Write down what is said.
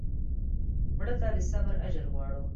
مړه ته د صبر اجر غواړو